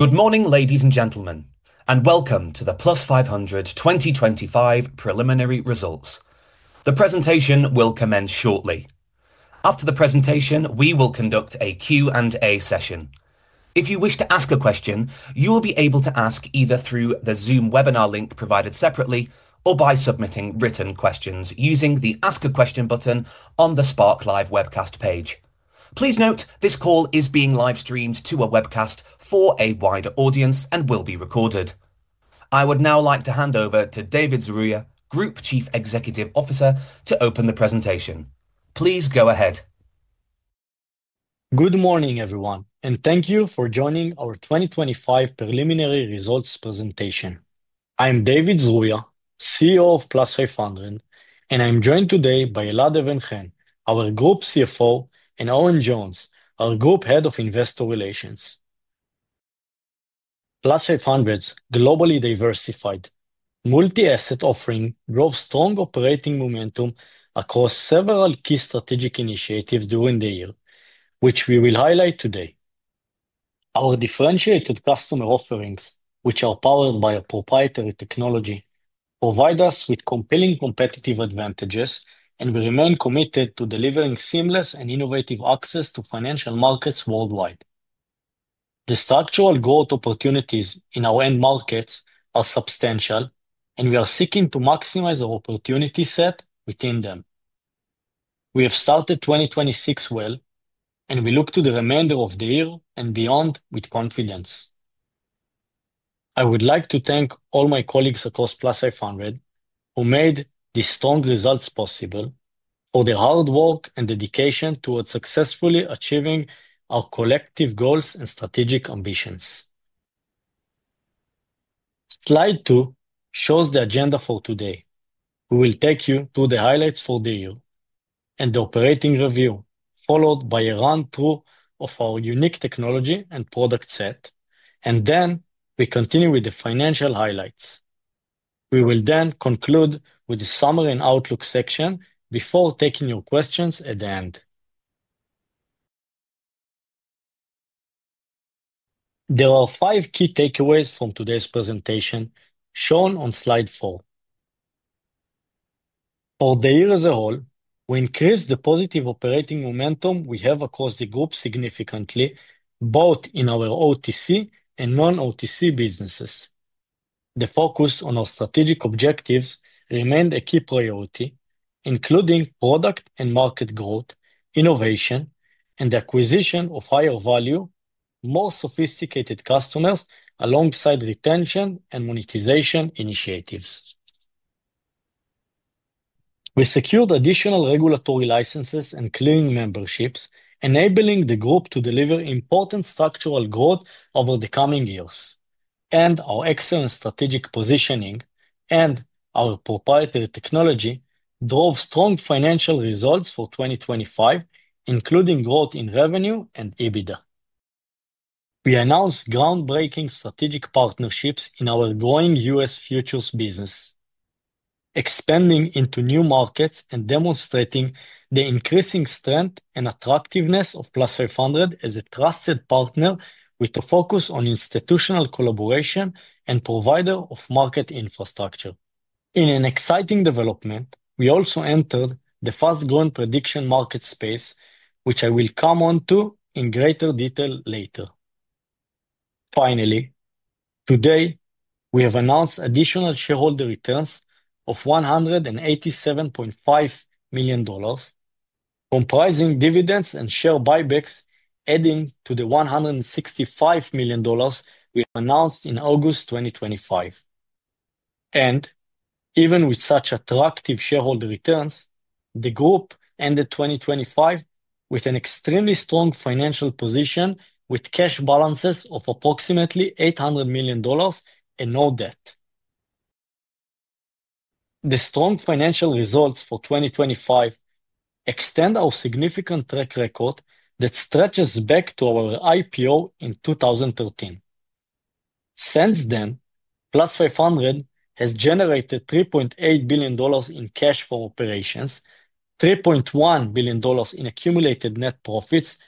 Good morning, ladies and gentlemen, and welcome to the Plus500 2025 preliminary results. The presentation will commence shortly. After the presentation, we will conduct a Q&A session. If you wish to ask a question, you will be able to ask either through the Zoom webinar link provided separately or by submitting written questions using the Ask a Question button on the SparkLive webcast page. Please note this call is being live-streamed to a webcast for a wider audience and will be recorded. I would now like to hand over to David Zruia, Group Chief Executive Officer, to open the presentation. Please go ahead. Good morning, everyone, and thank you for joining our 2025 preliminary results presentation. I'm David Zruia, CEO of Plus500, and I'm joined today by Elad Even-Chen, our Group CFO, and Owen Jones, our Group Head of Investor Relations. Plus500's globally diversified, multi-asset offering drove strong operating momentum across several key strategic initiatives during the year, which we will highlight today. Our differentiated customer offerings, which are powered by proprietary technology, provide us with compelling competitive advantages, and we remain committed to delivering seamless and innovative access to financial markets worldwide. The structural growth opportunities in our end markets are substantial, and we are seeking to maximize our opportunity set within them. We have started 2026 well, and we look to the remainder of the year and beyond with confidence. I would like to thank all my colleagues across Plus500 who made these strong results possible for their hard work and dedication towards successfully achieving our collective goals and strategic ambitions. Slide 2 shows the agenda for today. We will take you through the highlights for the year and the operating review, followed by a run-through of our unique technology and product set, and then we continue with the financial highlights. We will then conclude with a summary in Outlook section before taking your questions at the end. There are five key takeaways from today's presentation, shown on Slide 4. For the year as a whole, we increased the positive operating momentum we have across the group significantly, both in our OTC and non-OTC businesses. The focus on our strategic objectives remained a key priority, including product and market growth, innovation, and the acquisition of higher value, more sophisticated customers alongside retention and monetization initiatives. We secured additional regulatory licenses and clearing memberships, enabling the group to deliver important structural growth over the coming years. Our excellent strategic positioning and our proprietary technology drove strong financial results for 2025, including growth in revenue and EBITDA. We announced groundbreaking strategic partnerships in our growing U.S. futures business, expanding into new markets and demonstrating the increasing strength and attractiveness of Plus500 as a trusted partner with a focus on institutional collaboration and provider of market infrastructure. In an exciting development, we also entered the fast-growing prediction market space, which I will come on to in greater detail later. Finally, today, we have announced additional shareholder returns of $187.5 million, comprising dividends and share buybacks, adding to the $165 million we announced in August 2025. Even with such attractive shareholder returns, the group ended 2025 with an extremely strong financial position with cash balances of approximately $800 million and no debt. The strong financial results for 2025 extend our significant track record that stretches back to our IPO in 2013. Since then, Plus500 has generated $3.8 billion in cash for operations, $3.1 billion in accumulated net profits,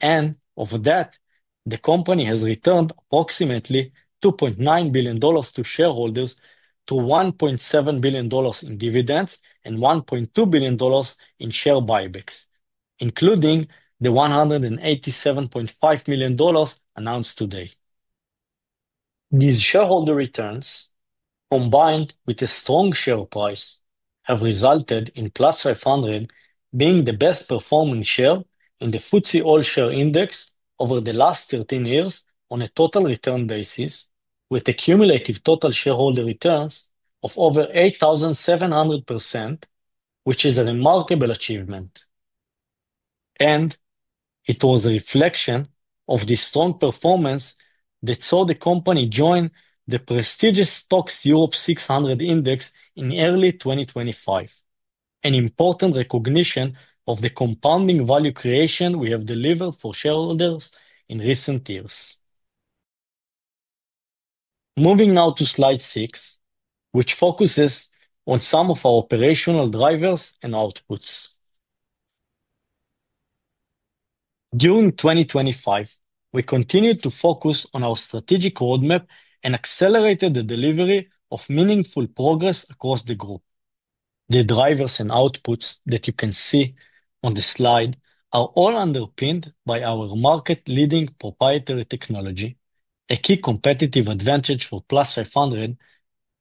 and of that, the company has returned approximately $2.9 billion to shareholders to $1.7 billion in dividends and $1.2 billion in share buybacks, including the $187.5 million announced today. These shareholder returns, combined with a strong share price, have resulted in Plus500 being the best-performing share in the FTSE All-Share Index over the last 13 years on a total return basis, with cumulative total shareholder returns of over 8,700%, which is a remarkable achievement. It was a reflection of this strong performance that saw the company join the prestigious STOXX Europe 600 Index in early 2025, an important recognition of the compounding value creation we have delivered for shareholders in recent years. Moving now to Slide 6, which focuses on some of our operational drivers and outputs. During 2025, we continued to focus on our strategic roadmap and accelerated the delivery of meaningful progress across the group. The drivers and outputs that you can see on the slide are all underpinned by our market-leading proprietary technology, a key competitive advantage for Plus500,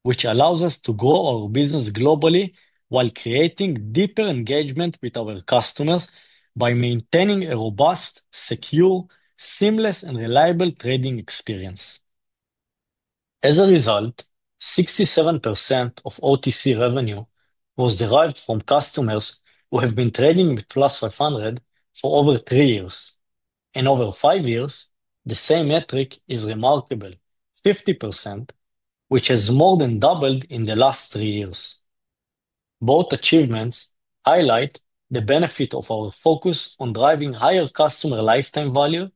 which allows us to grow our business globally while creating deeper engagement with our customers by maintaining a robust, secure, seamless, and reliable trading experience. As a result, 67% of OTC revenue was derived from customers who have been trading with Plus500 for over three years. In over five years, the same metric is remarkable, 50%, which has more than doubled in the last three years. Both achievements highlight the benefit of our focus on driving higher customer lifetime value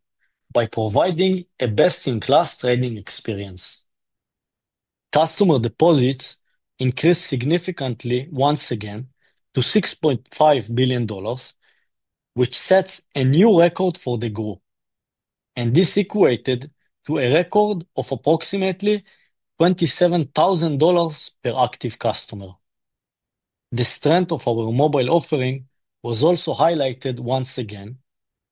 by providing a best-in-class trading experience. Customer deposits increased significantly once again to $6.5 billion, which sets a new record for the group, and this equated to a record of approximately $27,000 per active customer. The strength of our mobile offering was also highlighted once again,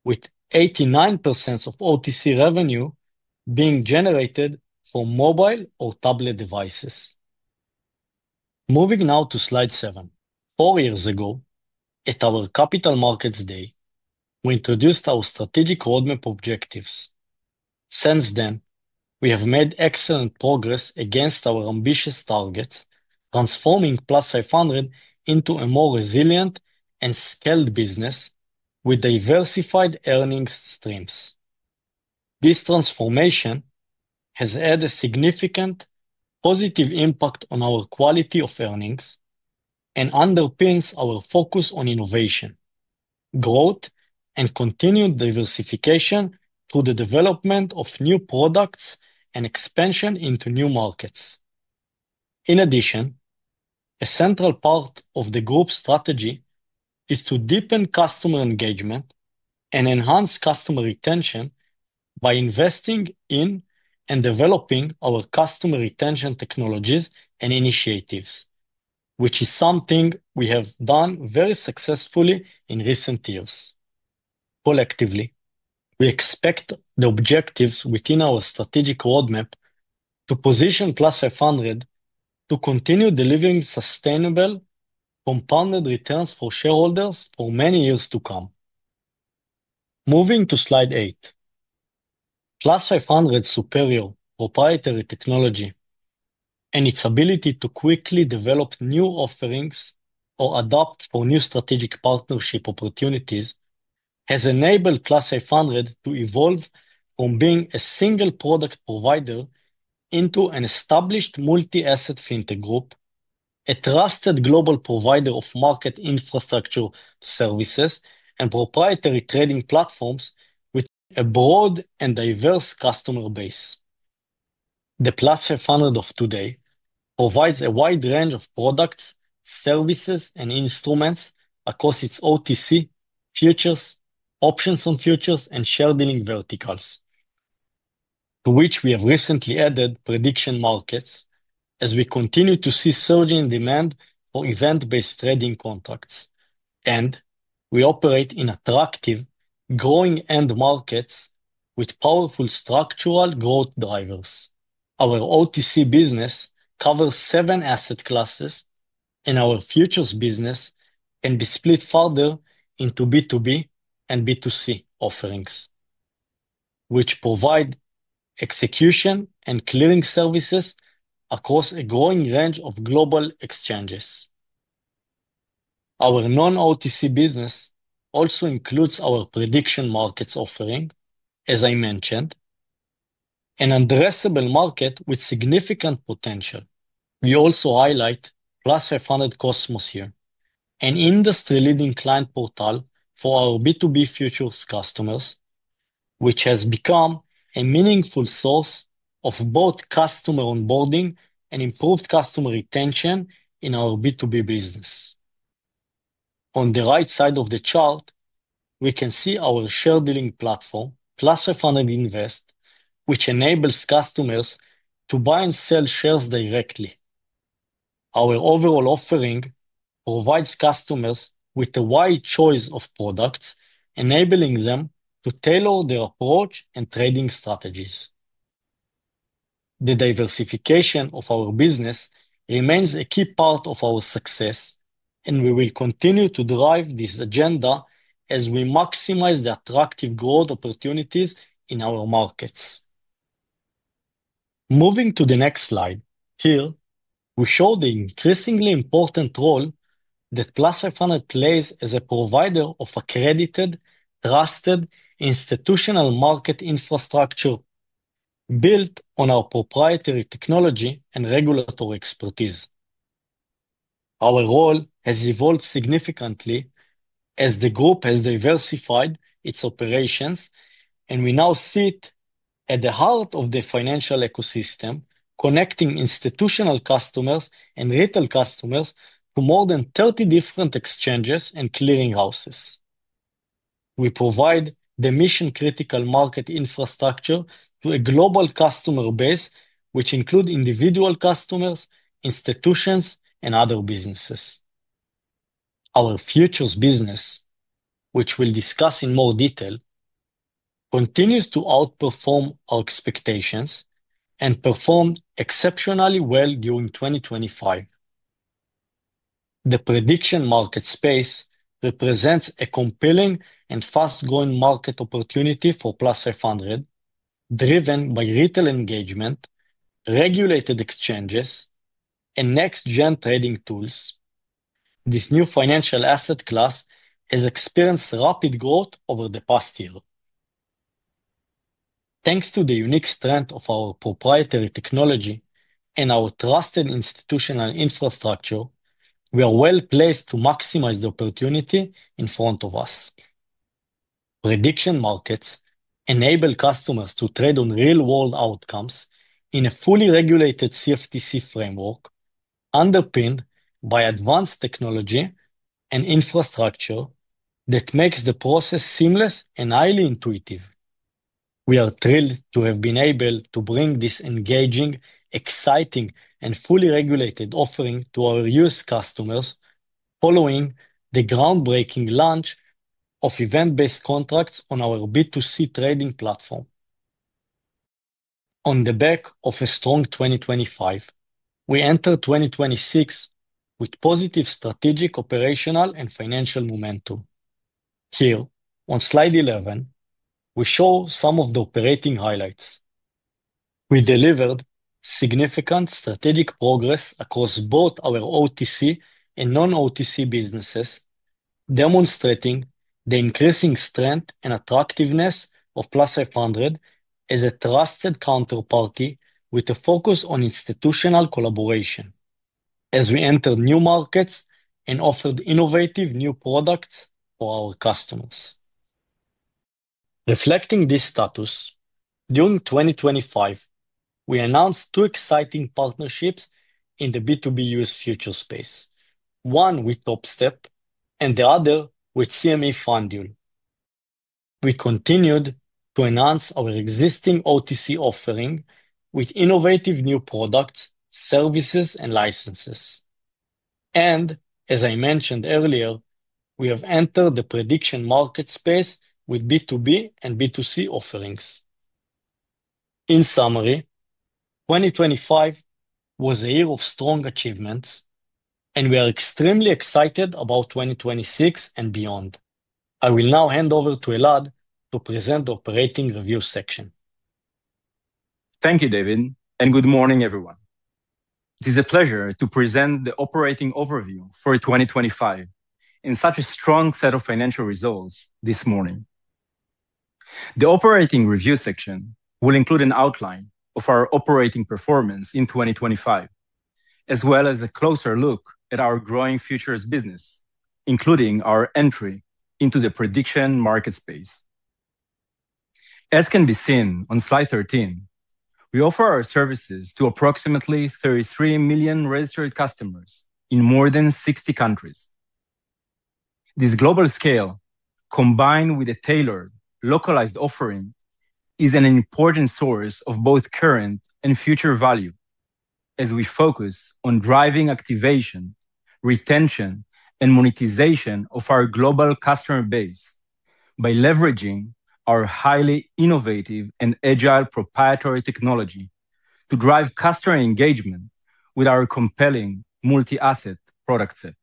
with 89% of OTC revenue being generated from mobile or tablet devices. Moving now to slide 7. Four years ago, at our Capital Markets Day, we introduced our strategic roadmap objectives. Since then, we have made excellent progress against our ambitious targets, transforming Plus500 into a more resilient and scaled business with diversified earnings streams. This transformation has had a significant positive impact on our quality of earnings and underpins our focus on innovation, growth, and continued diversification through the development of new products and expansion into new markets. In addition, a central part of the group's strategy is to deepen customer engagement and enhance customer retention by investing in and developing our customer retention technologies and initiatives, which is something we have done very successfully in recent years. Collectively, we expect the objectives within our strategic roadmap to position Plus500 to continue delivering sustainable, compounded returns for shareholders for many years to come. Moving to Slide 8. Plus500's superior proprietary technology and its ability to quickly develop new offerings or adapt for new strategic partnership opportunities has enabled Plus500 to evolve from being a single product provider into an established multi-asset fintech group, a trusted global provider of market infrastructure services, and proprietary trading platforms with a broad and diverse customer base. The Plus500 of today provides a wide range of products, services, and instruments across its OTC futures, options on futures, and share-dealing verticals, to which we have recently added prediction markets as we continue to see surging demand for event-based trading contracts. We operate in attractive, growing end markets with powerful structural growth drivers. Our OTC business covers seven asset classes, and our futures business can be split further into B2B and B2C offerings, which provide execution and clearing services across a growing range of global exchanges. Our non-OTC business also includes our prediction markets offering, as I mentioned, an addressable market with significant potential. We also highlight Plus500 Cosmos here, an industry-leading client portal for our B2B futures customers, which has become a meaningful source of both customer onboarding and improved customer retention in our B2B business. On the right side of the chart, we can see our share-dealing platform, Plus500 Invest, which enables customers to buy and sell shares directly. Our overall offering provides customers with a wide choice of products, enabling them to tailor their approach and trading strategies. The diversification of our business remains a key part of our success, and we will continue to drive this agenda as we maximize the attractive growth opportunities in our markets. Moving to the next slide, here, we show the increasingly important role that Plus500 plays as a provider of accredited, trusted, institutional market infrastructure built on our proprietary technology and regulatory expertise. Our role has evolved significantly as the group has diversified its operations, and we now sit at the heart of the financial ecosystem, connecting institutional customers and retail customers to more than 30 different exchanges and clearinghouses. We provide the mission-critical market infrastructure to a global customer base, which includes individual customers, institutions, and other businesses. Our futures business, which we'll discuss in more detail, continues to outperform our expectations and perform exceptionally well during 2025. The prediction market space represents a compelling and fast-growing market opportunity for Plus500, driven by retail engagement, regulated exchanges, and next-gen trading tools. This new financial asset class has experienced rapid growth over the past year. Thanks to the unique strength of our proprietary technology and our trusted institutional infrastructure, we are well placed to maximize the opportunity in front of us. Prediction markets enable customers to trade on real-world outcomes in a fully regulated CFTC framework, underpinned by advanced technology and infrastructure that makes the process seamless and highly intuitive. We are thrilled to have been able to bring this engaging, exciting, and fully regulated offering to our U.S. customers, following the groundbreaking launch of event-based contracts on our B2C trading platform. On the back of a strong 2025, we enter 2026 with positive strategic, operational, and financial momentum. Here, on Slide 11, we show some of the operating highlights. We delivered significant strategic progress across both our OTC and non-OTC businesses, demonstrating the increasing strength and attractiveness of Plus500 as a trusted counterparty with a focus on institutional collaboration as we entered new markets and offered innovative new products for our customers. Reflecting this status, during 2025, we announced two exciting partnerships in the B2B U.S. futures space, one with Topstep and the other with CME FanDuel. We continued to enhance our existing OTC offering with innovative new products, services, and licenses. And, as I mentioned earlier, we have entered the prediction market space with B2B and B2C offerings. In summary, 2025 was a year of strong achievements, and we are extremely excited about 2026 and beyond. I will now hand over to Elad to present the operating review section. Thank you, David, and good morning, everyone. It is a pleasure to present the operating overview for 2025 in such a strong set of financial results this morning. The operating review section will include an outline of our operating performance in 2025, as well as a closer look at our growing futures business, including our entry into the prediction market space. As can be seen on Slide 13, we offer our services to approximately 33 million registered customers in more than 60 countries. This global scale, combined with a tailored, localized offering, is an important source of both current and future value as we focus on driving activation, retention, and monetization of our global customer base by leveraging our highly innovative and agile proprietary technology to drive customer engagement with our compelling multi-asset product set.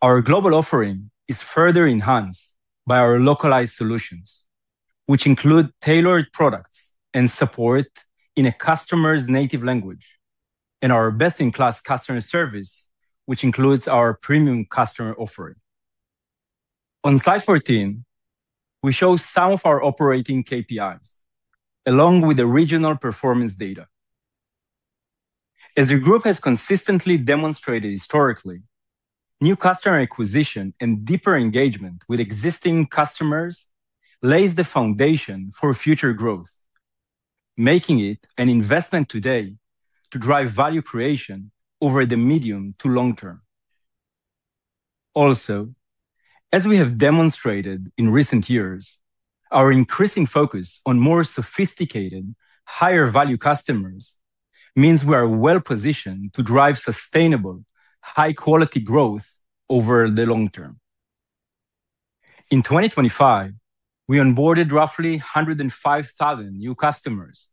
Our global offering is further enhanced by our localized solutions, which include tailored products and support in a customer's native language, and our best-in-class customer service, which includes our premium customer offering. On Slide 14, we show some of our operating KPIs, along with the regional performance data. As the group has consistently demonstrated historically, new customer acquisition and deeper engagement with existing customers lays the foundation for future growth, making it an investment today to drive value creation over the medium to long term. Also, as we have demonstrated in recent years, our increasing focus on more sophisticated, higher-value customers means we are well positioned to drive sustainable, high-quality growth over the long term. In 2025, we onboarded roughly 105,000 new customers,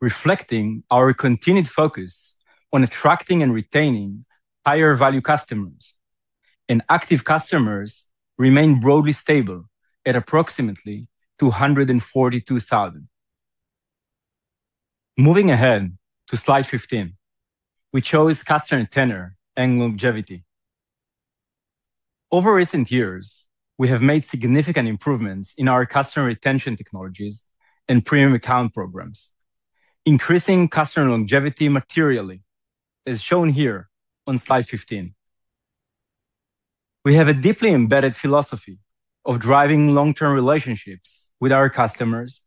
reflecting our continued focus on attracting and retaining higher-value customers, and active customers remain broadly stable at approximately 242,000. Moving ahead to Slide 15, we chose Customer Tenure and Longevity. Over recent years, we have made significant improvements in our customer retention technologies and premium account programs, increasing customer longevity materially, as shown here on Slide 15. We have a deeply embedded philosophy of driving long-term relationships with our customers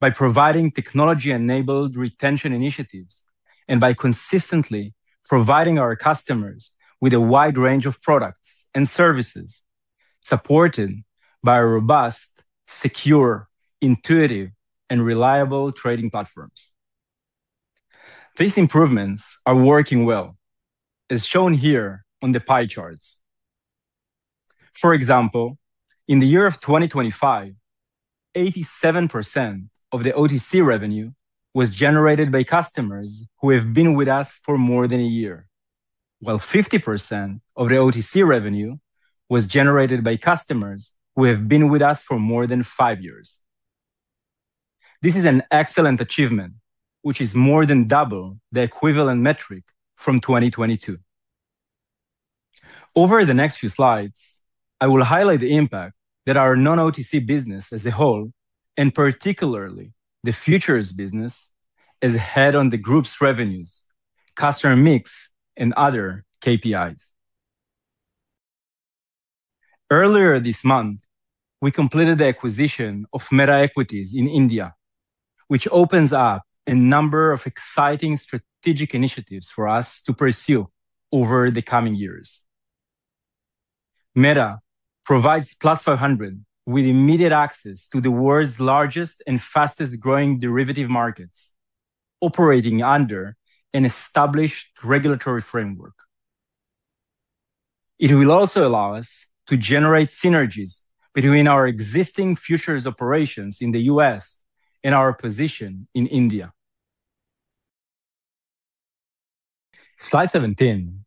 by providing technology-enabled retention initiatives and by consistently providing our customers with a wide range of products and services supported by robust, secure, intuitive, and reliable trading platforms. These improvements are working well, as shown here on the pie charts. For example, in the year of 2025, 87% of the OTC revenue was generated by customers who have been with us for more than a year, while 50% of the OTC revenue was generated by customers who have been with us for more than five years. This is an excellent achievement, which is more than double the equivalent metric from 2022. Over the next few slides, I will highlight the impact that our non-OTC business as a whole and particularly the futures business has had on the group's revenues, customer mix, and other KPIs. Earlier this month, we completed the acquisition of Mehta Equities in India, which opens up a number of exciting strategic initiatives for us to pursue over the coming years. Mehta provides Plus500 with immediate access to the world's largest and fastest-growing derivative markets, operating under an established regulatory framework. It will also allow us to generate synergies between our existing futures operations in the U.S. and our position in India. Slide 17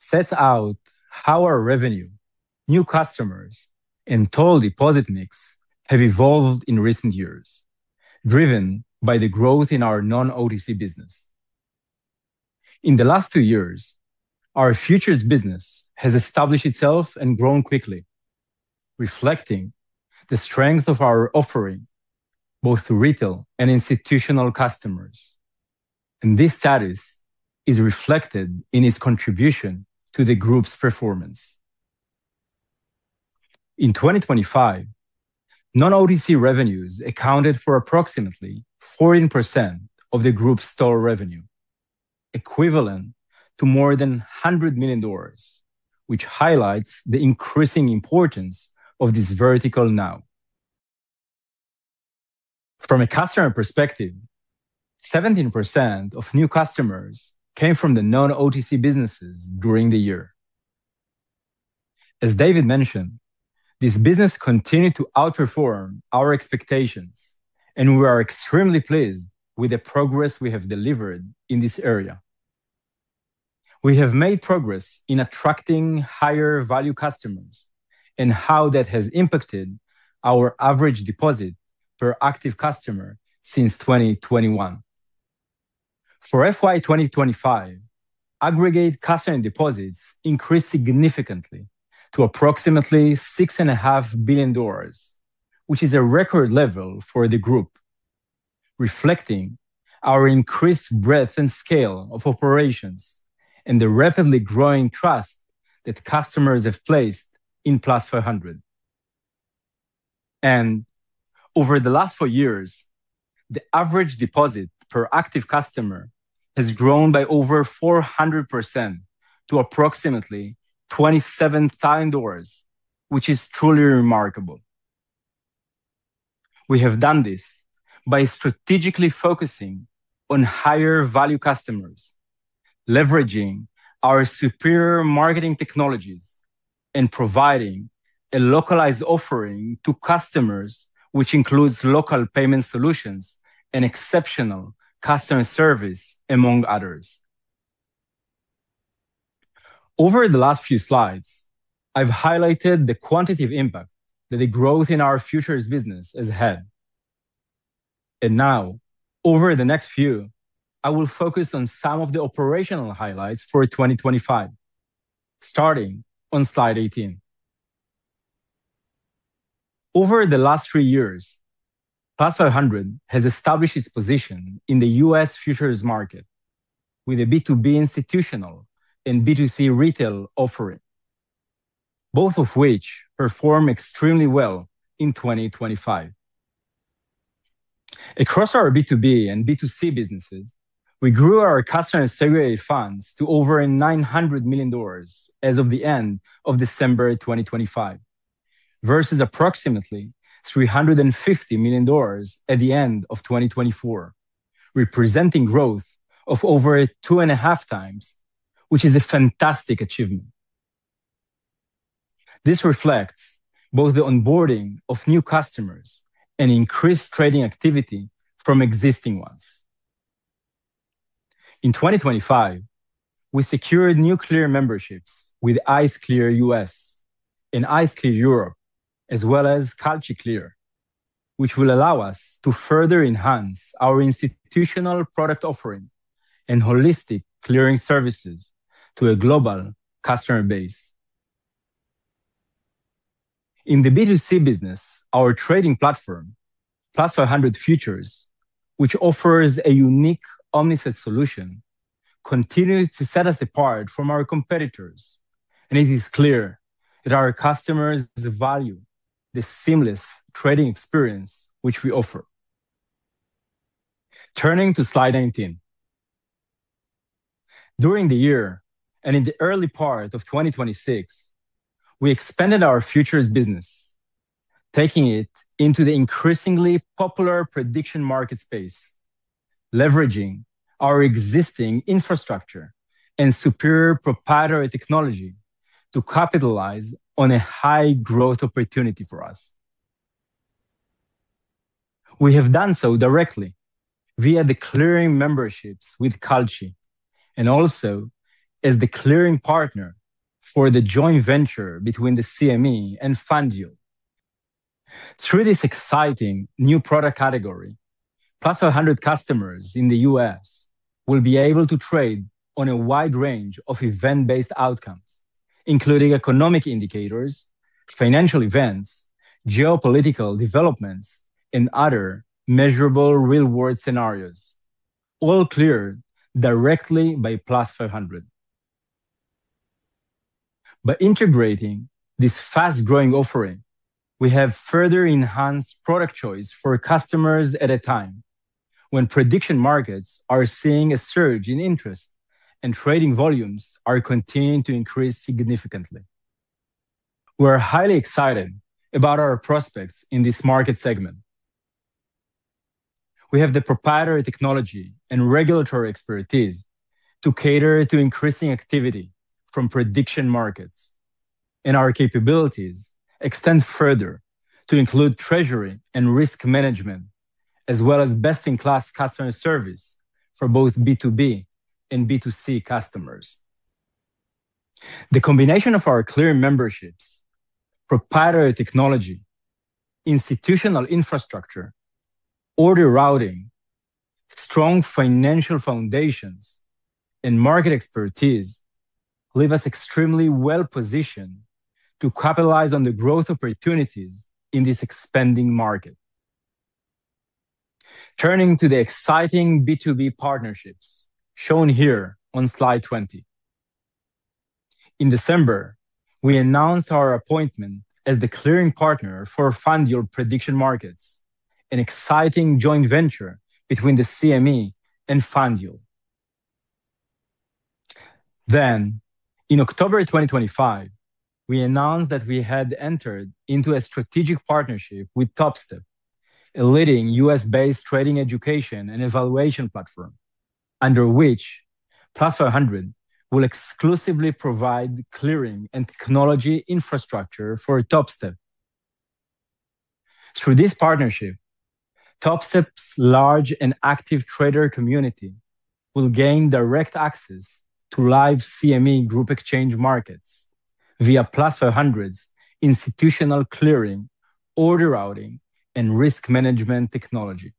sets out how our revenue, new customers, and total deposit mix have evolved in recent years, driven by the growth in our non-OTC business. In the last two years, our futures business has established itself and grown quickly, reflecting the strength of our offering both to retail and institutional customers, and this status is reflected in its contribution to the group's performance. In 2025, non-OTC revenues accounted for approximately 14% of the group's total revenue, equivalent to more than $100 million, which highlights the increasing importance of this vertical now. From a customer perspective, 17% of new customers came from the non-OTC businesses during the year. As David mentioned, this business continued to outperform our expectations, and we are extremely pleased with the progress we have delivered in this area. We have made progress in attracting higher-value customers and how that has impacted our average deposit per active customer since 2021. For FY 2025, aggregate customer deposits increased significantly to approximately $6.5 billion, which is a record level for the group, reflecting our increased breadth and scale of operations and the rapidly growing trust that customers have placed in Plus500. Over the last four years, the average deposit per active customer has grown by over 400% to approximately $27,000, which is truly remarkable. We have done this by strategically focusing on higher-value customers, leveraging our superior marketing technologies, and providing a localized offering to customers, which includes local payment solutions and exceptional customer service, among others. Over the last few slides, I've highlighted the quantitative impact that the growth in our futures business has had. Now, over the next few, I will focus on some of the operational highlights for 2025, starting on Slide 18. Over the last three years, Plus500 has established its position in the U.S. futures market with a B2B institutional and B2C retail offering, both of which perform extremely well in 2025. Across our B2B and B2C businesses, we grew our customer segregated funds to over $900 million as of the end of December 2025, versus approximately $350 million at the end of 2024, representing growth of over two and a half times, which is a fantastic achievement. This reflects both the onboarding of new customers and increased trading activity from existing ones. In 2025, we secured new clearing memberships with ICE Clear U.S. and ICE Clear Europe, as well as Cantor Fitzgerald, which will allow us to further enhance our institutional product offering and holistic clearing services to a global customer base. In the B2C business, our trading platform, Plus500 Futures, which offers a unique omni-set solution, continues to set us apart from our competitors, and it is clear that our customers value the seamless trading experience which we offer. Turning to Slide 19. During the year and in the early part of 2026, we expanded our futures business, taking it into the increasingly popular prediction market space, leveraging our existing infrastructure and superior proprietary technology to capitalize on a high growth opportunity for us. We have done so directly via the clearing memberships with Cantor Fitzgerald and also as the clearing partner for the joint venture between the CME and FanDuel. Through this exciting new product category, Plus500 customers in the U.S. will be able to trade on a wide range of event-based outcomes, including economic indicators, financial events, geopolitical developments, and other measurable real-world scenarios, all cleared directly by Plus500. By integrating this fast-growing offering, we have further enhanced product choice for customers at a time when prediction markets are seeing a surge in interest and trading volumes are continuing to increase significantly. We are highly excited about our prospects in this market segment. We have the proprietary technology and regulatory expertise to cater to increasing activity from prediction markets, and our capabilities extend further to include treasury and risk management, as well as best-in-class customer service for both B2B and B2C customers. The combination of our clearing memberships, proprietary technology, institutional infrastructure, order routing, strong financial foundations, and market expertise leaves us extremely well positioned to capitalize on the growth opportunities in this expanding market. Turning to the exciting B2B partnerships shown here on Slide 20. In December, we announced our appointment as the clearing partner for FanDuel Prediction Markets, an exciting joint venture between the CME and FanDuel. Then, in October 2025, we announced that we had entered into a strategic partnership with Topstep, a leading U.S.-based trading education and evaluation platform under which Plus500 will exclusively provide clearing and technology infrastructure for Topstep. Through this partnership, Topstep's large and active trader community will gain direct access to live CME Group exchange markets via Plus500's institutional clearing, order routing, and risk management technology.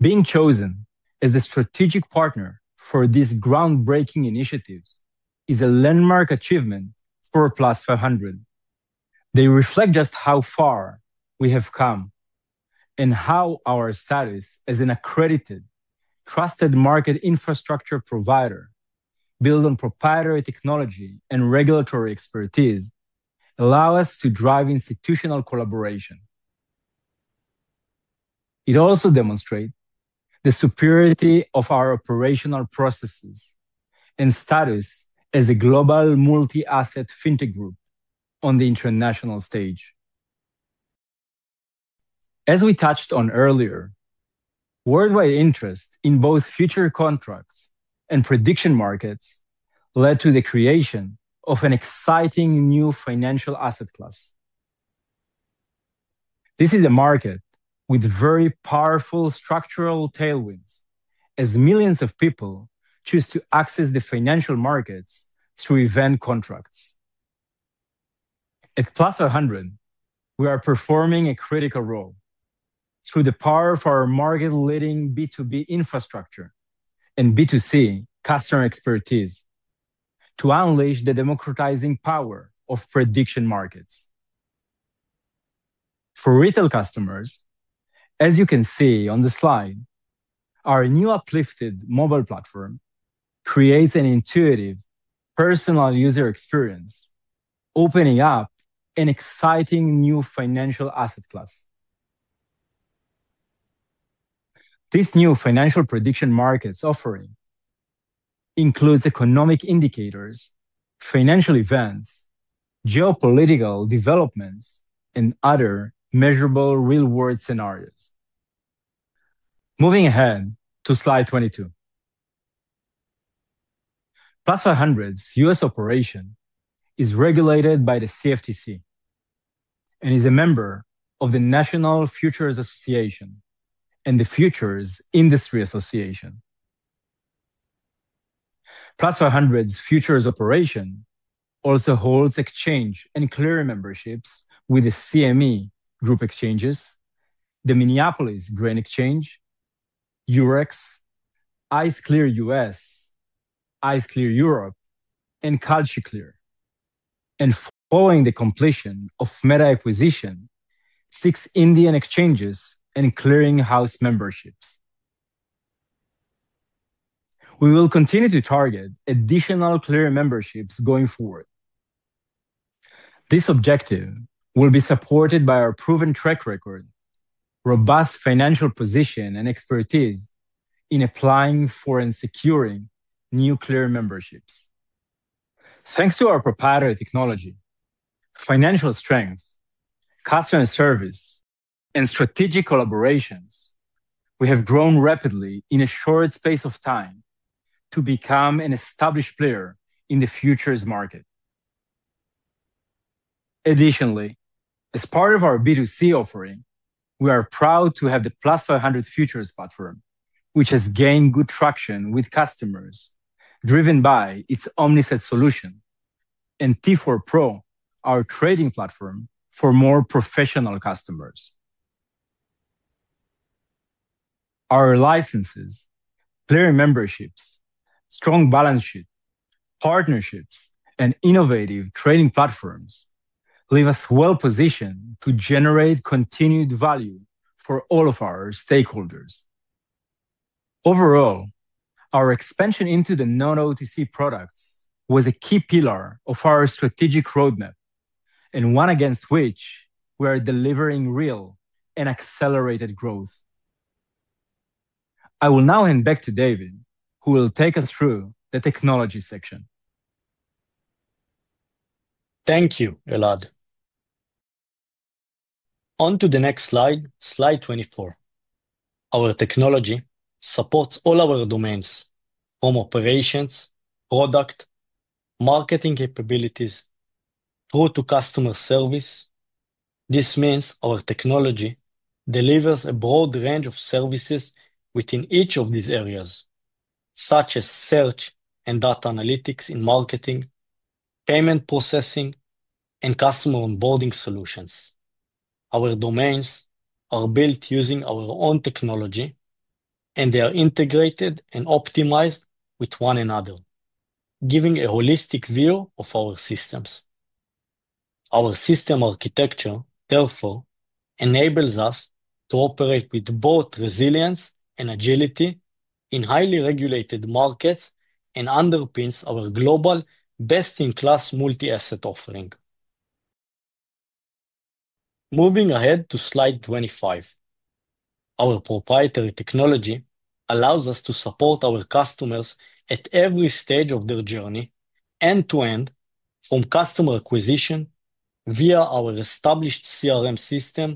Being chosen as the strategic partner for these groundbreaking initiatives is a landmark achievement for Plus500. They reflect just how far we have come and how our status as an accredited, trusted market infrastructure provider built on proprietary technology and regulatory expertise allows us to drive institutional collaboration. It also demonstrates the superiority of our operational processes and status as a global multi-asset fintech group on the international stage. As we touched on earlier, worldwide interest in both futures contracts and prediction markets led to the creation of an exciting new financial asset class. This is a market with very powerful structural tailwinds as millions of people choose to access the financial markets through event contracts. At Plus500, we are performing a critical role through the power of our market-leading B2B infrastructure and B2C customer expertise to unleash the democratizing power of prediction markets. For retail customers, as you can see on the slide, our new uplifted mobile platform creates an intuitive, personal user experience, opening up an exciting new financial asset class. This new financial prediction markets offering includes economic indicators, financial events, geopolitical developments, and other measurable real-world scenarios. Moving ahead to Slide 22. Plus500's U.S. operation is regulated by the CFTC and is a member of the National Futures Association and the Futures Industry Association. Plus500's futures operation also holds exchange and clearing memberships with the CME Group Exchanges, the Minneapolis Grain Exchange, Eurex, ICE Clear U.S., ICE Clear Europe, and Cantor Fitzgerald, and following the completion of Mehta acquisition, six Indian exchanges and clearing house memberships. We will continue to target additional clearing memberships going forward. This objective will be supported by our proven track record, robust financial position, and expertise in applying for and securing new clearing memberships. Thanks to our proprietary technology, financial strength, customer service, and strategic collaborations, we have grown rapidly in a short space of time to become an established player in the futures market. Additionally, as part of our B2C offering, we are proud to have the Plus500 Futures platform, which has gained good traction with customers driven by its omni-set solution, and T4 Pro, our trading platform for more professional customers. Our licenses, clearing memberships, strong balance sheet, partnerships, and innovative trading platforms leave us well positioned to generate continued value for all of our stakeholders. Overall, our expansion into the non-OTC products was a key pillar of our strategic roadmap and one against which we are delivering real and accelerated growth. I will now hand back to David, who will take us through the technology section. Thank you, Elad. On to the next slide, Slide 24. Our technology supports all our domains from operations, product, marketing capabilities, through to customer service. This means our technology delivers a broad range of services within each of these areas, such as search and data analytics in marketing, payment processing, and customer onboarding solutions. Our domains are built using our own technology, and they are integrated and optimized with one another, giving a holistic view of our systems. Our system architecture, therefore, enables us to operate with both resilience and agility in highly regulated markets and underpins our global best-in-class multi-asset offering. Moving ahead to Slide 25. Our proprietary technology allows us to support our customers at every stage of their journey, end-to-end, from customer acquisition via our established CRM system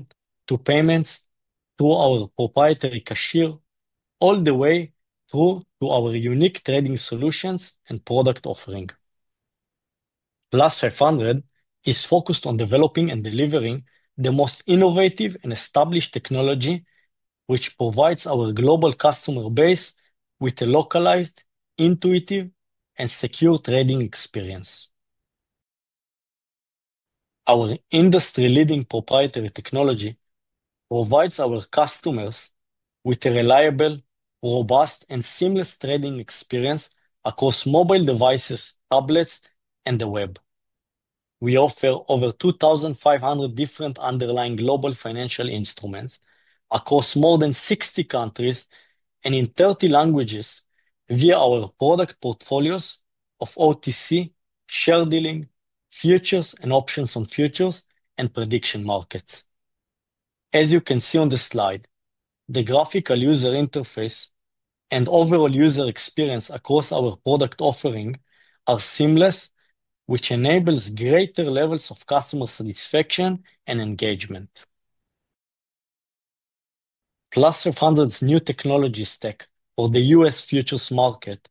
to payments through our proprietary cashier, all the way through to our unique trading solutions and product offering. Plus500 is focused on developing and delivering the most innovative and established technology, which provides our global customer base with a localized, intuitive, and secure trading experience. Our industry-leading proprietary technology provides our customers with a reliable, robust, and seamless trading experience across mobile devices, tablets, and the web. We offer over 2,500 different underlying global financial instruments across more than 60 countries and in 30 languages via our product portfolios of OTC, share dealing, futures, and options on futures, and prediction markets. As you can see on the slide, the graphical user interface and overall user experience across our product offering are seamless, which enables greater levels of customer satisfaction and engagement. Plus500's new technology stack for the U.S. futures market,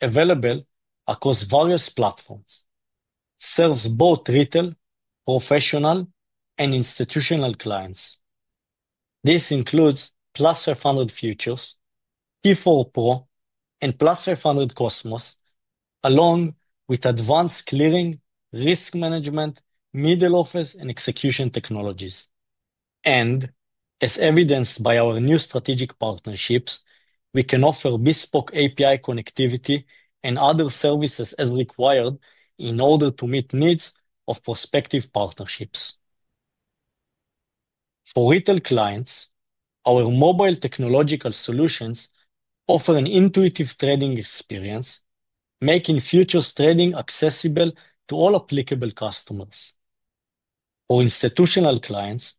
available across various platforms, serves both retail, professional, and institutional clients. This includes Plus500 Futures, T4 Pro, and Plus500 Cosmos, along with advanced clearing, risk management, middle office, and execution technologies. As evidenced by our new strategic partnerships, we can offer bespoke API connectivity and other services as required in order to meet needs of prospective partnerships. For retail clients, our mobile technological solutions offer an intuitive trading experience, making futures trading accessible to all applicable customers. For institutional clients,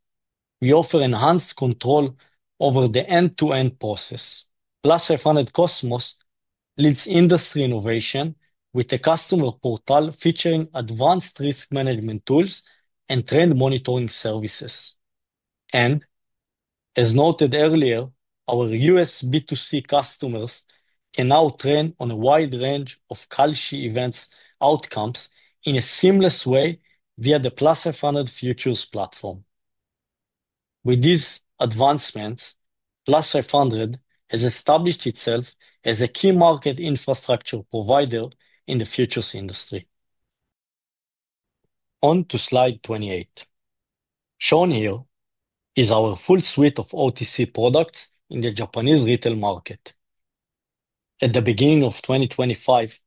we offer enhanced control over the end-to-end process. Plus500 Cosmos leads industry innovation with a customer portal featuring advanced risk management tools and trend monitoring services. And, as noted earlier, our U.S. B2C customers can now train on a wide range of Cantor Fitzgerald event outcomes in a seamless way via the Plus500 Futures platform. With these advancements, Plus500 has established itself as a key market infrastructure provider in the futures industry. Onto Slide 28. Shown here is our full suite of OTC products in the Japanese retail market. At the beginning of 2025,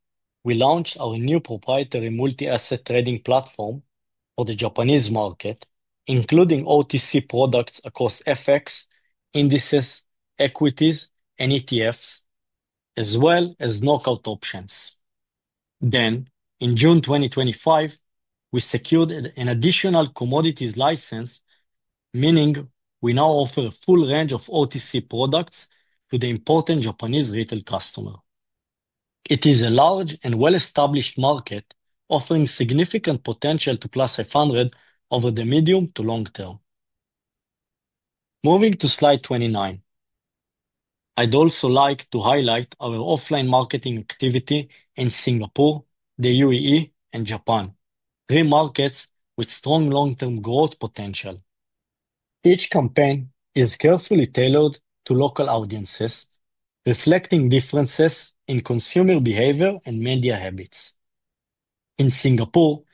we launched our new proprietary multi-asset trading platform for the Japanese market, including OTC products across FX, indices, equities, and ETFs, as well as knockout options. In June 2025, we secured an additional commodities license, meaning we now offer a full range of OTC products to the important Japanese retail customer. It is a large and well-established market offering significant potential to Plus500 over the medium to long term. Moving to Slide 29. I'd also like to highlight our offline marketing activity in Singapore, the UAE, and Japan, three markets with strong long-term growth potential. Each campaign is carefully tailored to local audiences, reflecting differences in consumer behavior and media habits. In Singapore,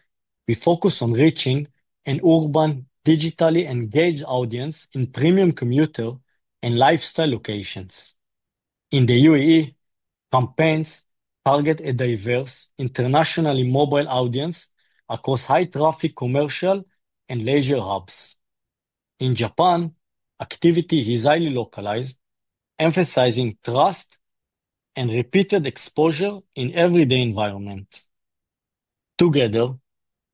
we focus on reaching an urban digitally engaged audience in premium commuter and lifestyle locations. In the UAE, campaigns target a diverse internationally mobile audience across high-traffic commercial and leisure hubs. In Japan, activity is highly localized, emphasizing trust and repeated exposure in everyday environments. Together,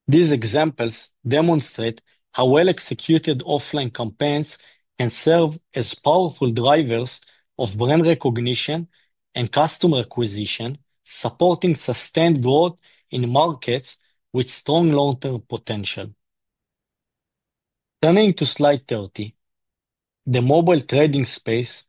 these examples demonstrate how well-executed offline campaigns can serve as powerful drivers of brand recognition and customer acquisition, supporting sustained growth in markets with strong long-term potential. Turning to Slide 30. The mobile trading space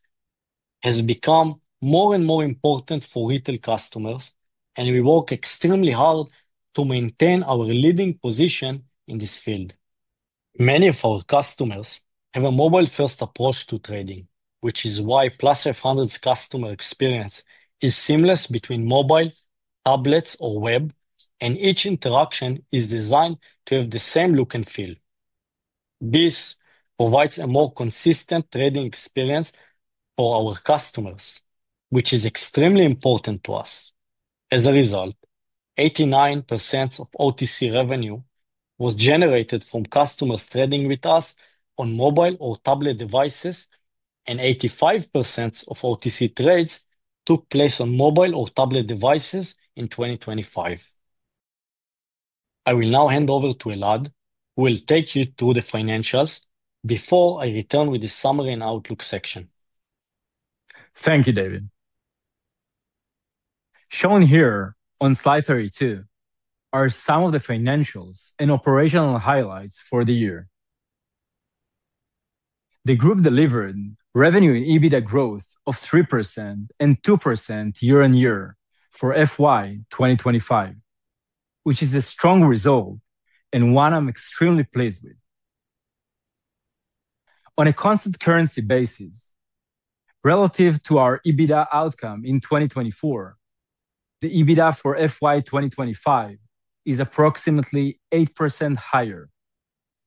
has become more and more important for retail customers, and we work extremely hard to maintain our leading position in this field. Many of our customers have a mobile-first approach to trading, which is why Plus500's customer experience is seamless between mobile, tablets, or web, and each interaction is designed to have the same look and feel. This provides a more consistent trading experience for our customers, which is extremely important to us. As a result, 89% of OTC revenue was generated from customers trading with us on mobile or tablet devices, and 85% of OTC trades took place on mobile or tablet devices in 2025. I will now hand over to Elad, who will take you through the financials before I return with a summary in the Outlook section. Thank you, David. Shown here on Slide 32 are some of the financials and operational highlights for the year. The group delivered revenue and EBITDA growth of 3% and 2% year-on-year for FY2025, which is a strong result and one I'm extremely pleased with. On a constant currency basis, relative to our EBITDA outcome in 2024, the EBITDA for FY2025 is approximately 8% higher,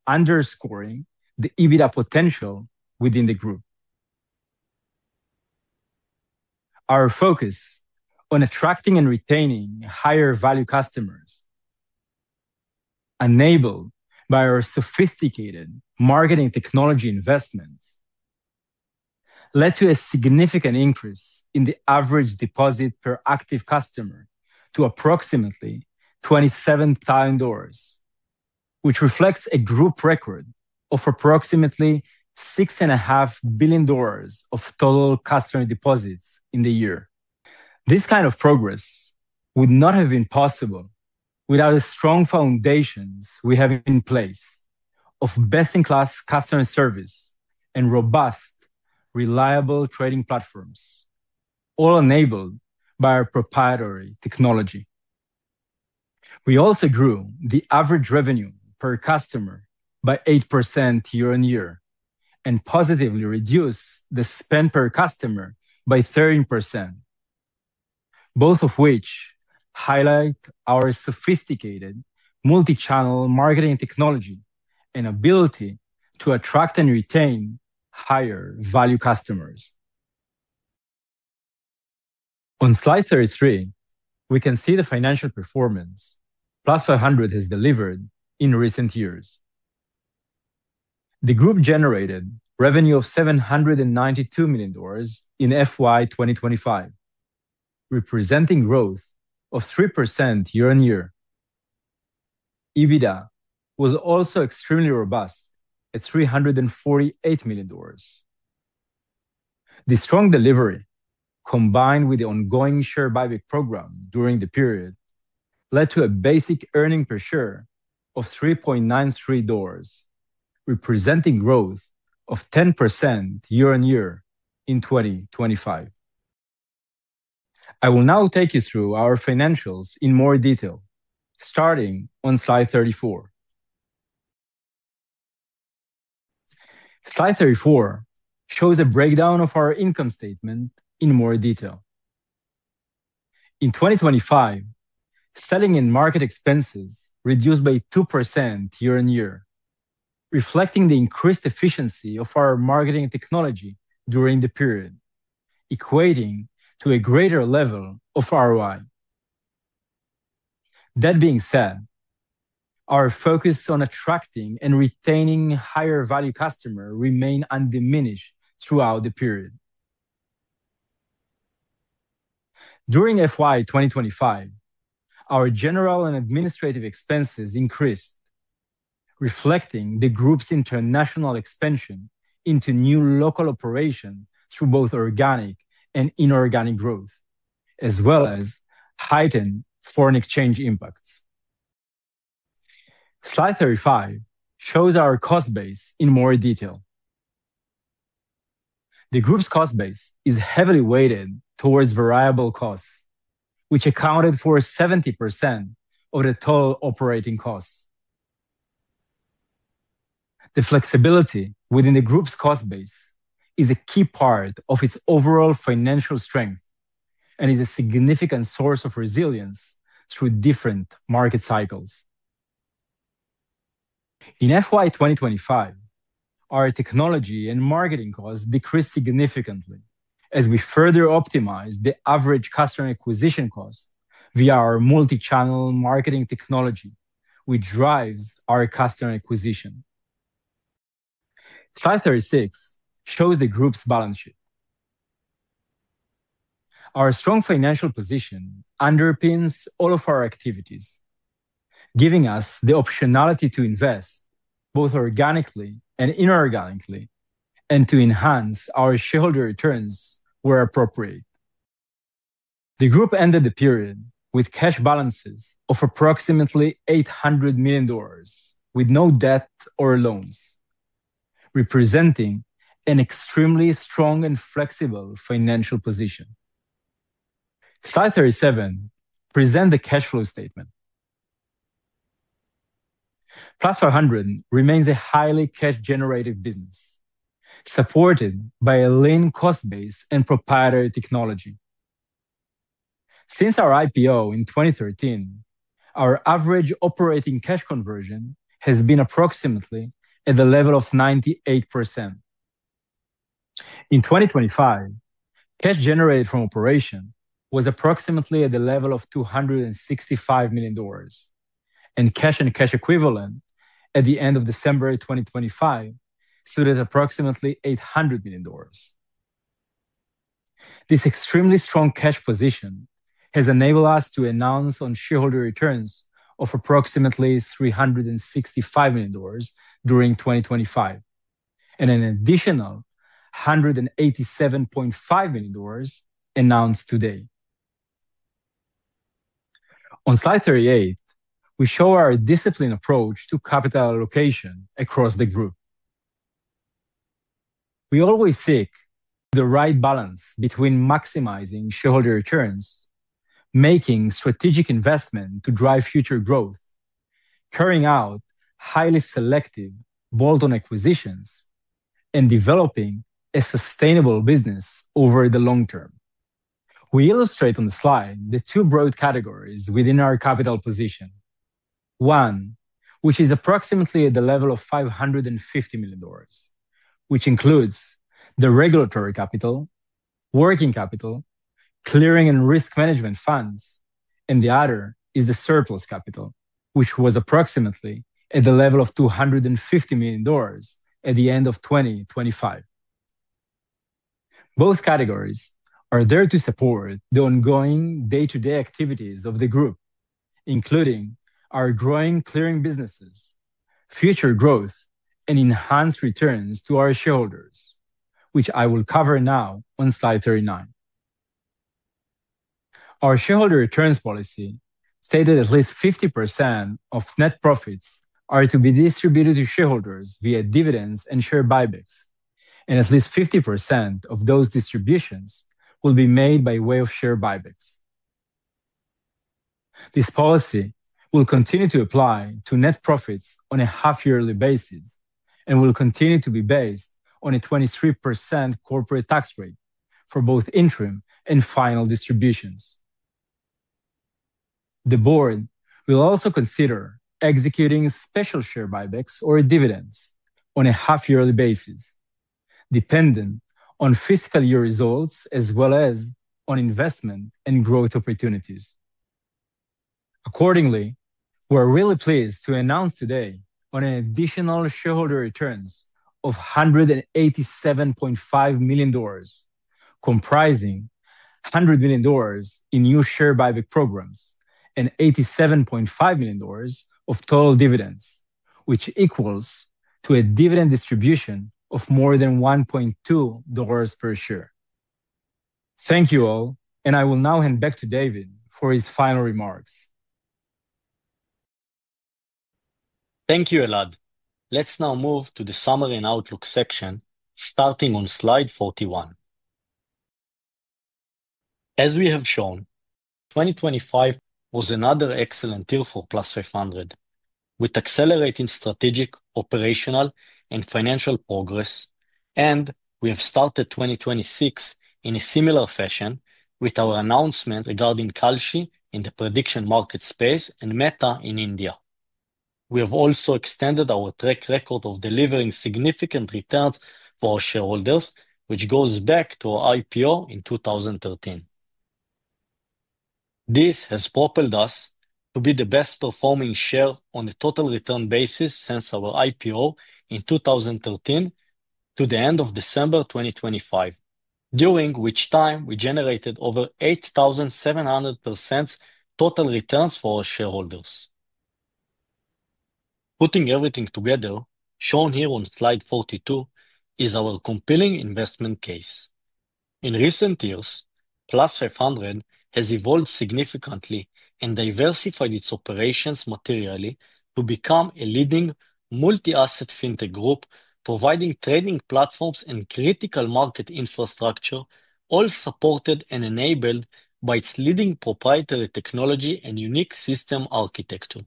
underscoring the EBITDA potential within the group. Our focus on attracting and retaining higher-value customers, enabled by our sophisticated marketing technology investments, led to a significant increase in the average deposit per active customer to approximately $27,000, which reflects a group record of approximately $6.5 billion of total customer deposits in the year. This kind of progress would not have been possible without the strong foundations we have in place of best-in-class customer service and robust, reliable trading platforms, all enabled by our proprietary technology. We also grew the average revenue per customer by 8% year-on-year and positively reduced the spend per customer by 13%, both of which highlight our sophisticated multi-channel marketing technology and ability to attract and retain higher-value customers. On Slide 33, we can see the financial performance Plus500 has delivered in recent years. The group generated revenue of $792 million in FY2025, representing growth of 3% year-on-year. EBITDA was also extremely robust at $348 million. The strong delivery, combined with the ongoing share buyback program during the period, led to a basic earnings per share of $3.93, representing growth of 10% year-on-year in 2025. I will now take you through our financials in more detail, starting on Slide 34. Slide 34 shows a breakdown of our income statement in more detail. In 2025, selling and market expenses reduced by 2% year-over-year, reflecting the increased efficiency of our marketing technology during the period, equating to a greater level of ROI. That being said, our focus on attracting and retaining higher-value customers remained undiminished throughout the period. During FY2025, our general and administrative expenses increased, reflecting the group's international expansion into new local operations through both organic and inorganic growth, as well as heightened foreign exchange impacts. Slide 35 shows our cost base in more detail. The group's cost base is heavily weighted towards variable costs, which accounted for 70% of the total operating costs. The flexibility within the group's cost base is a key part of its overall financial strength and is a significant source of resilience through different market cycles. In FY2025, our technology and marketing costs decreased significantly as we further optimized the average customer acquisition cost via our multi-channel marketing technology, which drives our customer acquisition. Slide 36 shows the group's balance sheet. Our strong financial position underpins all of our activities, giving us the optionality to invest both organically and inorganically and to enhance our shareholder returns where appropriate. The group ended the period with cash balances of approximately $800 million with no debt or loans, representing an extremely strong and flexible financial position. Slide 37 presents the cash flow statement. Plus500 remains a highly cash-generative business, supported by a lean cost base and proprietary technology. Since our IPO in 2013, our average operating cash conversion has been approximately at the level of 98%. In 2025, cash generated from operation was approximately at the level of $265 million, and cash and cash equivalent at the end of December 2025 stood at approximately $800 million. This extremely strong cash position has enabled us to announce shareholder returns of approximately $365 million during 2025 and an additional $187.5 million announced today. On Slide 38, we show our disciplined approach to capital allocation across the group. We always seek the right balance between maximizing shareholder returns, making strategic investments to drive future growth, carrying out highly selective bolt-on acquisitions, and developing a sustainable business over the long term. We illustrate on the slide the two broad categories within our capital position. One, which is approximately at the level of $550 million, which includes the regulatory capital, working capital, clearing and risk management funds, and the other is the surplus capital, which was approximately at the level of $250 million at the end of 2025. Both categories are there to support the ongoing day-to-day activities of the group, including our growing clearing businesses, future growth, and enhanced returns to our shareholders, which I will cover now on Slide 39. Our shareholder returns policy stated at least 50% of net profits are to be distributed to shareholders via dividends and share buybacks, and at least 50% of those distributions will be made by way of share buybacks. This policy will continue to apply to net profits on a half-yearly basis and will continue to be based on a 23% corporate tax rate for both interim and final distributions. The board will also consider executing special share buybacks or dividends on a half-yearly basis, dependent on fiscal year results as well as on investment and growth opportunities. Accordingly, we're really pleased to announce today an additional shareholder return of $187.5 million, comprising $100 million in new share buyback programs and $87.5 million of total dividends, which equals a dividend distribution of more than $1.2 per share. Thank you all, and I will now hand back to David for his final remarks. Thank you, Elad. Let's now move to the summary in Outlook section, starting on Slide 41. As we have shown, 2025 was another excellent year for Plus500, with accelerating strategic, operational, and financial progress, and we have started 2026 in a similar fashion with our announcement regarding Kalshi in the prediction market space and Mehta in India. We have also extended our track record of delivering significant returns for our shareholders, which goes back to our IPO in 2013. This has propelled us to be the best-performing share on a total return basis since our IPO in 2013 to the end of December 2025, during which time we generated over 8,700% total returns for our shareholders. Putting everything together, shown here on Slide 42, is our compelling investment case. In recent years, Plus500 has evolved significantly and diversified its operations materially to become a leading multi-asset fintech group providing trading platforms and critical market infrastructure, all supported and enabled by its leading proprietary technology and unique system architecture.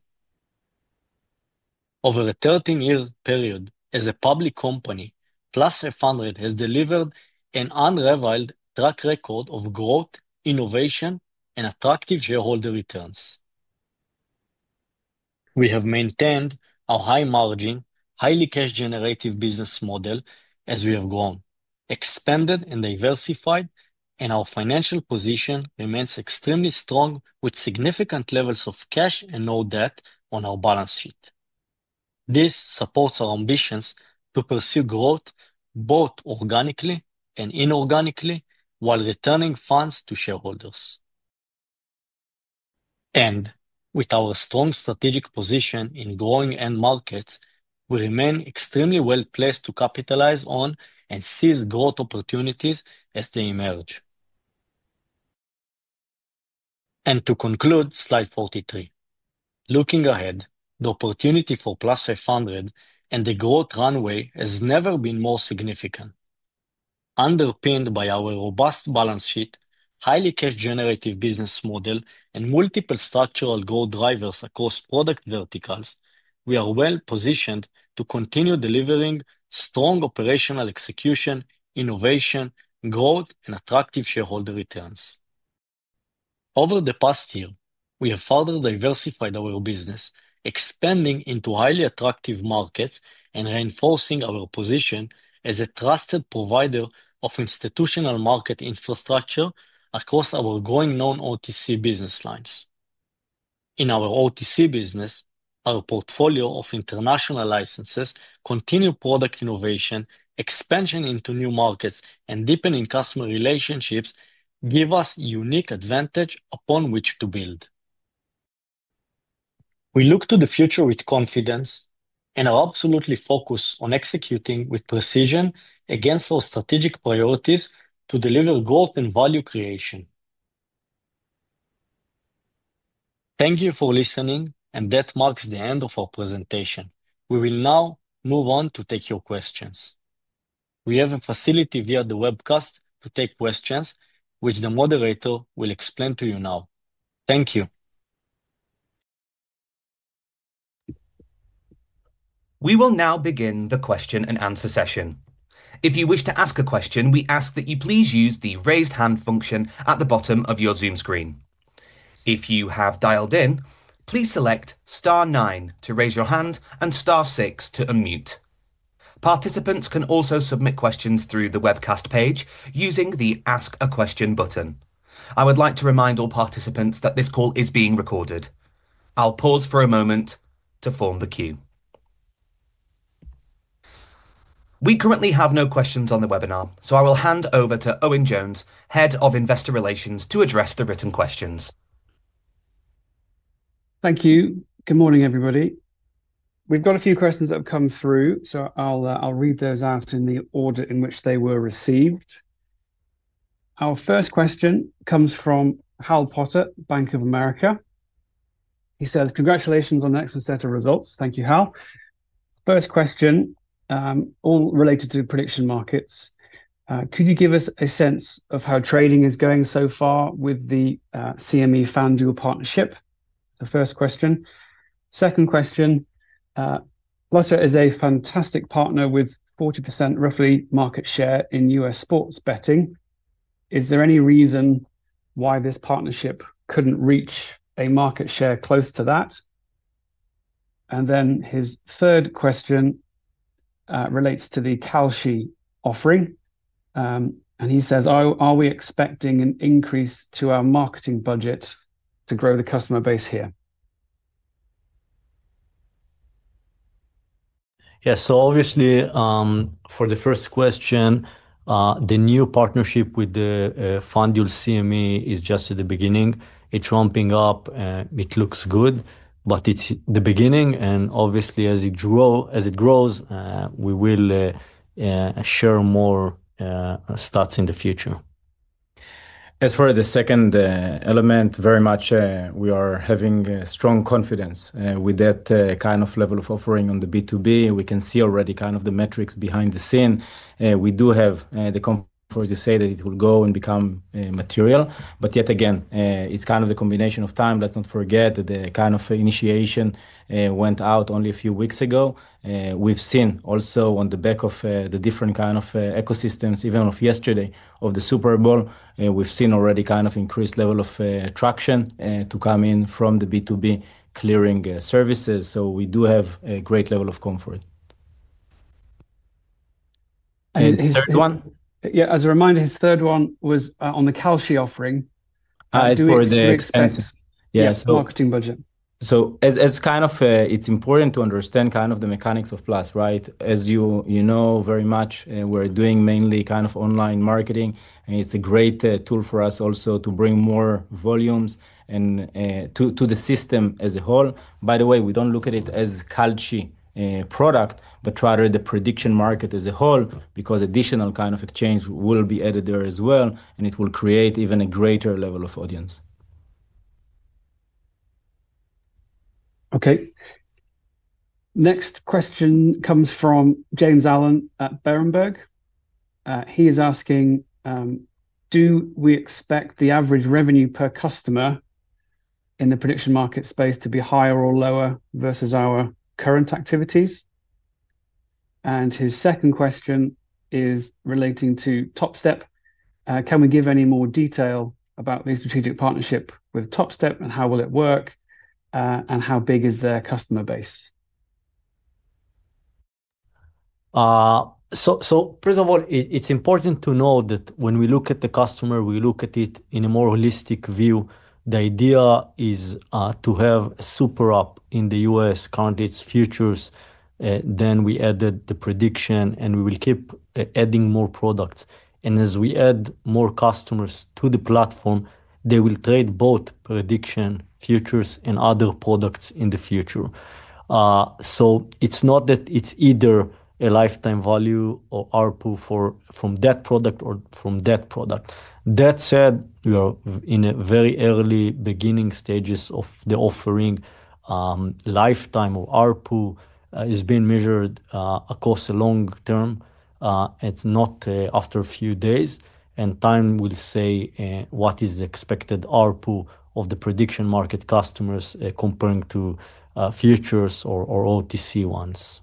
Over a 13-year period as a public company, Plus500 has delivered an unrivaled track record of growth, innovation, and attractive shareholder returns. We have maintained our high-margin, highly cash-generative business model as we have grown, expanded and diversified, and our financial position remains extremely strong with significant levels of cash and no debt on our balance sheet. This supports our ambitions to pursue growth both organically and inorganically while returning funds to shareholders. And with our strong strategic position in growing end markets, we remain extremely well-placed to capitalize on and seize growth opportunities as they emerge. And to conclude Slide 43, looking ahead, the opportunity for Plus500 and the growth runway has never been more significant. Underpinned by our robust balance sheet, highly cash-generative business model, and multiple structural growth drivers across product verticals, we are well-positioned to continue delivering strong operational execution, innovation, growth, and attractive shareholder returns. Over the past year, we have further diversified our business, expanding into highly attractive markets and reinforcing our position as a trusted provider of institutional market infrastructure across our growing non-OTC business lines. In our OTC business, our portfolio of international licenses, continued product innovation, expansion into new markets, and deepening customer relationships give us a unique advantage upon which to build. We look to the future with confidence and are absolutely focused on executing with precision against our strategic priorities to deliver growth and value creation. Thank you for listening, and that marks the end of our presentation. We will now move on to take your questions. We have a facility via the webcast to take questions, which the moderator will explain to you now. Thank you. We will now begin the question and answer session. If you wish to ask a question, we ask that you please use the raised hand function at the bottom of your Zoom screen. If you have dialed in, please select star nine to raise your hand and star six to unmute. Participants can also submit questions through the webcast page using the Ask a Question button. I would like to remind all participants that this call is being recorded. I'll pause for a moment to form the queue. We currently have no questions on the webinar, so I will hand over to Owen Jones, Head of Investor Relations, to address the written questions. Thank you. Good morning, everybody. We've got a few questions that have come through, so I'll read those out in the order in which they were received. Our first question comes from Hiral Patel, Bank of America. He says, "Congratulations on the excellent set of results." Thank you, Hiral. First question, all related to prediction markets. Could you give us a sense of how trading is going so far with the CME FanDuel partnership? That's the first question. Second question, Plus500 is a fantastic partner with 40% roughly market share in U.S. sports betting. Is there any reason why this partnership couldn't reach a market share close to that? And then his third question relates to the Kalshi offering, and he says, "Are we expecting an increase to our marketing budget to grow the customer base here? Yes, so obviously for the first question, the new partnership with the FanDuel CME is just at the beginning. It's ramping up and it looks good, but it's the beginning, and obviously as it grows, we will share more stats in the future. As for the second element, very much we are having strong confidence with that kind of level of offering on the B2B. We can see already kind of the metrics behind the scenes. We do have, as you say, that it will go and become material, but yet again, it's kind of the combination of time. Let's not forget that the kind of initiation went out only a few weeks ago. We've seen also on the back of the different kind of ecosystems, even of yesterday, of the Super Bowl, we've seen already kind of increased level of traction to come in from the B2B clearing services. We do have a great level of comfort. Yeah, as a reminder, his third one was on the Kalshi offering. Do you expect marketing budget? So as kind of it's important to understand kind of the mechanics of Plus, right? As you know very much, we're doing mainly kind of online marketing, and it's a great tool for us also to bring more volumes to the system as a whole. By the way, we don't look at it as Kalshi product, but rather the prediction market as a whole because additional kind of exchange will be added there as well, and it will create even a greater level of audience. Okay. Next question comes from James Gordon at Berenberg. He is asking, "Do we expect the average revenue per customer in the prediction market space to be higher or lower versus our current activities?" His second question is relating to Topstep. Can we give any more detail about the strategic partnership with Topstep and how will it work, and how big is their customer base? So first of all, it's important to know that when we look at the customer, we look at it in a more holistic view. The idea is to have a super app in the U.S. CFDs, futures, then we added the prediction, and we will keep adding more products. And as we add more customers to the platform, they will trade both prediction, futures, and other products in the future. So it's not that it's either a lifetime value or ARPU from that product or from that product. That said, we are in a very early beginning stages of the offering. Lifetime of ARPU is being measured across the long term. It's not after a few days, and time will say what is the expected ARPU of the prediction market customers comparing to futures or OTC ones.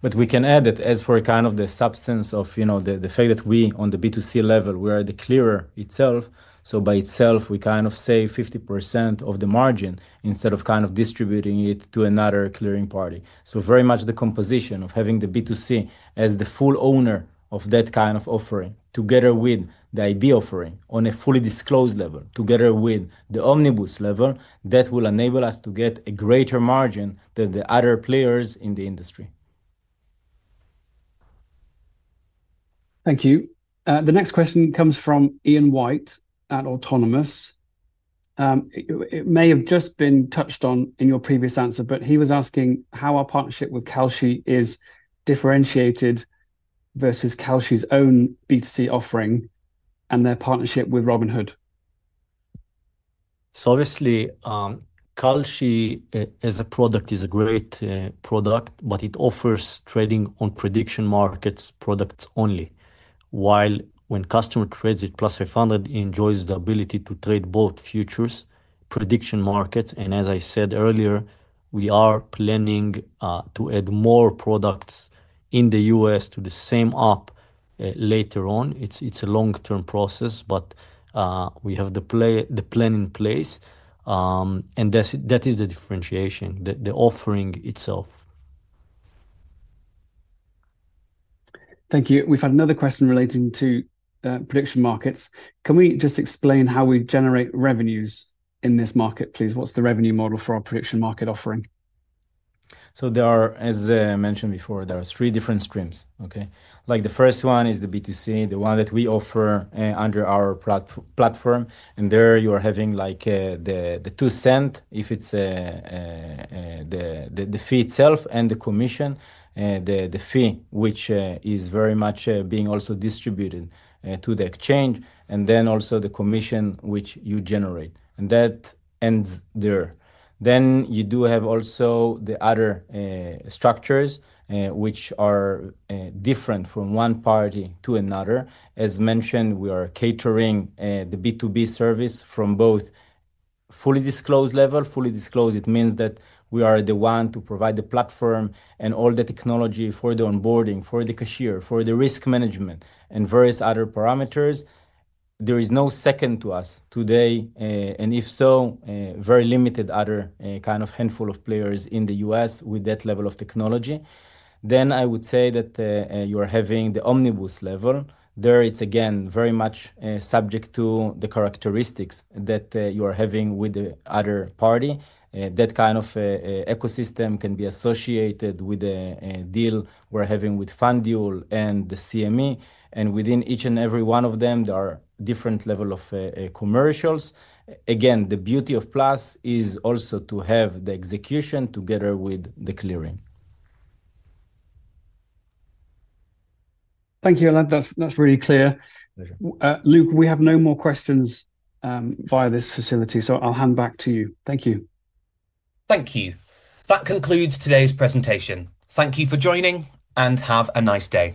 But we can add it as for kind of the substance of the fact that we, on the B2C level, we are the clearer itself. So by itself, we kind of save 50% of the margin instead of kind of distributing it to another clearing party. So very much the composition of having the B2C as the full owner of that kind of offering together with the IB offering on a fully disclosed level together with the omnibus level, that will enable us to get a greater margin than the other players in the industry. Thank you. The next question comes from Ian White at Autonomous. It may have just been touched on in your previous answer, but he was asking how our partnership with Kalshi is differentiated versus Kalshi's own B2C offering and their partnership with Robinhood. So obviously, Kalshi as a product is a great product, but it offers trading on prediction markets products only. While when customer trades with Plus500, he enjoys the ability to trade both futures, prediction markets, and as I said earlier, we are planning to add more products in the U.S. to the same app later on. It's a long-term process, but we have the plan in place, and that is the differentiation, the offering itself. Thank you. We've had another question relating to prediction markets. Can we just explain how we generate revenues in this market, please? What's the revenue model for our prediction market offering? So there are, as I mentioned before, there are three different streams. Like the first one is the B2C, the one that we offer under our platform, and there you are having the two cents, if it's the fee itself and the commission, the fee which is very much being also distributed to the exchange, and then also the commission which you generate. And that ends there. Then you do have also the other structures which are different from one party to another. As mentioned, we are catering the B2B service from both fully disclosed level, fully disclosed. It means that we are the one to provide the platform and all the technology for the onboarding, for the cashier, for the risk management, and various other parameters. There is no second to us today, and if so, very limited other kind of handful of players in the U.S. with that level of technology. Then I would say that you are having the omnibus level. There it's again very much subject to the characteristics that you are having with the other party. That kind of ecosystem can be associated with a deal we're having with FanDuel and the CME, and within each and every one of them, there are different levels of commercials. Again, the beauty of Plus is also to have the execution together with the clearing. Thank you, Elad. That's really clear. Luke, we have no more questions via this facility, so I'll hand back to you. Thank you. Thank you. That concludes today's presentation. Thank you for joining and have a nice day.